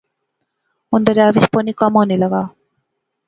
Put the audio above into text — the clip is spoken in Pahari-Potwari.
ہن دریا وچ پانی کم ہانے لاغآ